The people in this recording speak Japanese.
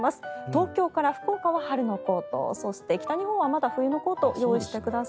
東京から福岡は春のコートそして、北日本はまだ冬のコートを用意してください。